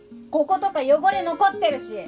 こことか汚れ残ってるし！